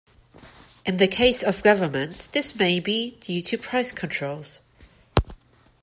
In the case of governments, this may be due to price controls.